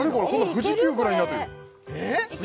富士急ぐらいになってるすげえ